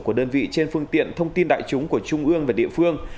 của đơn vị trên phương tiện thông tin đại chúng của trung ương và địa phương